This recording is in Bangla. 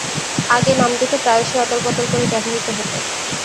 আগে নাম দুটো প্রায়শই অদলবদল করে ব্যবহৃত হত।